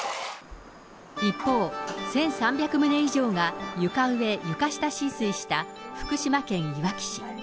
一方、１３００棟以上が床上・床下浸水した福島県いわき市。